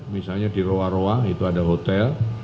misalnya di roa roa itu ada hotel